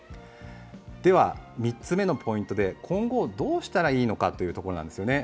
では３つ目のポイントで、今後、どうしたらいいのかです。